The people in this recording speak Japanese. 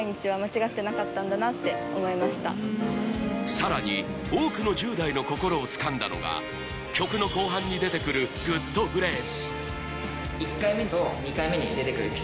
さらに多くの１０代の心をつかんだのが曲の後半に出てくるグッとフレーズ